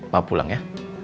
pak pulang ya